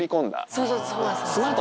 そうそうそう。